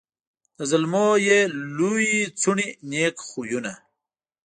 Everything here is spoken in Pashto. د زلمو یې لويي څوڼي نېک خویونه